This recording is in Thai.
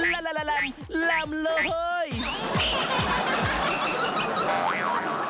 ละละละลำลำเลย